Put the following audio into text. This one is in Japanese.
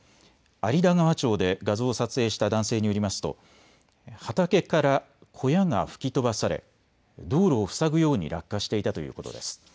有田川町で画像を撮影した男性によりますと畑から小屋が吹き飛ばされ道路を塞ぐように落下していたということです。